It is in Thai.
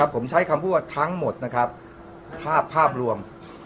ผมใช้คำพูดว่าทั้งหมดนะครับภาพรวม